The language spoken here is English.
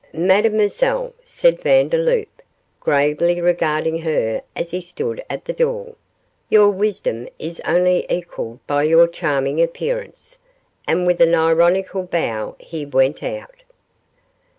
'Mademoiselle,' said Vandeloup, gravely regarding her as he stood at the door, 'your wisdom is only equalled by your charming appearance,' and with an ironical bow he went out.